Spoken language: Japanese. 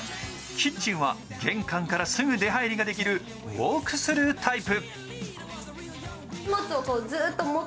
キッチンは玄関からすぐ出入りができるウォークスルータイプ。